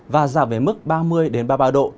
và giảm về mức ba mươi ba mươi ba độ